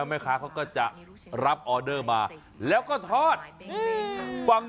มันอร่อยจริงนะแก